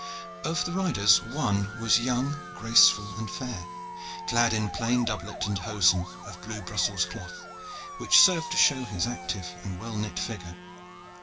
Of the riders one was young, graceful, and fair, clad in plain doublet and hosen of blue Brussels cloth, which served to show his active and well knit figure.